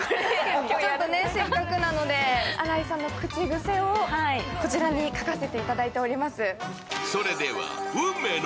せっかくなので、新井さんの口癖をこちらに書かせていただいております。